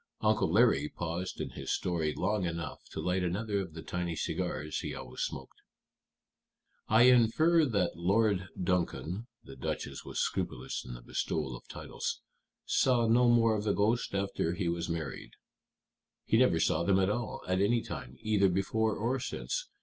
Uncle Larry paused in his story long enough to light another of the tiny cigars he always smoked. "I infer that Lord Duncan" the Duchess was scrupulous in the bestowal of titles "saw no more of the ghosts after he was married." "He never saw them at all, at any time, either before or since.